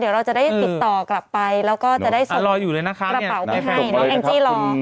เดี๋ยวเราจะได้ติดต่อกลับไปแล้วก็จะได้ส่งกระเป๋าไปให้อ๋อรออยู่เลยนะคะเอ็งจี้รอ